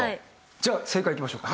じゃあ正解いきましょうか。